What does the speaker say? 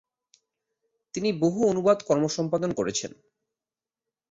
তিনি বহু অনুবাদ কর্ম সম্পাদন করেছেন।